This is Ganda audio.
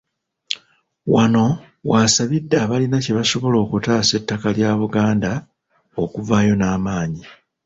Wano w'asabidde abalina kye basobola okutaasa ettaka lya Buganda, okuvaayo n'amaanyi.